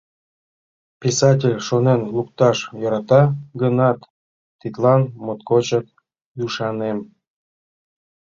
Писатель шонен лукташ йӧрата гынат, тидлан моткочак ӱшанем.